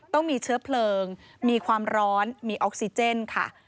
ต้องมีเชื้อเพลิงมีความร้อนมีออกซิเจนค่ะ